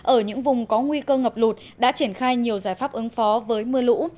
ở những vùng có nguy cơ ngập lụt đã triển khai nhiều giải pháp ứng phó với mưa lũ